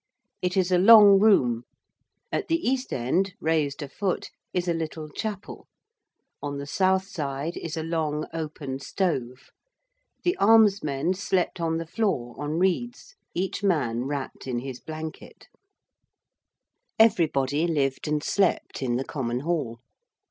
It is a long room: at the east end, raised a foot, is a little chapel; on the south side is a long open stove; the almsmen slept on the floor on reeds, each man wrapped in his blanket. [Illustration: SAXON CHURCH AT BRADFORD ON AVON, WILTS.] Everybody lived and slept in the Common Hall.